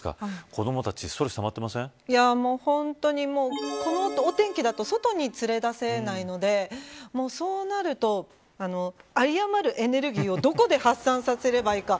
子どもたち本当に、このお天気だと外に連れ出せないのでそうなると有り余るネルギーをどこで発散させればいいか